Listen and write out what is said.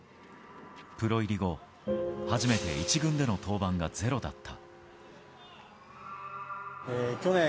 プロ入り後、初めて１軍での登板がゼロだった。